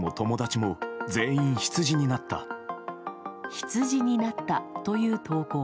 羊になったという投稿。